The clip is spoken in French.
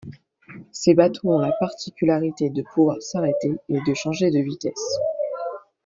Ces bateaux ont la particularité de pouvoir s'arrêter et de changer de vitesse.